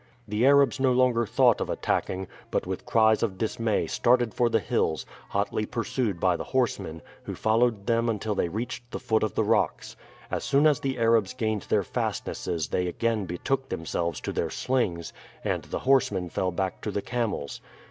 The Arabs no longer thought of attacking, but with cries of dismay started for the hills, hotly pursued by the horsemen, who followed them until they reached the foot of the rocks. As soon as the Arabs gained their fastnesses they again betook themselves to their slings, and the horsemen fell back to the camels.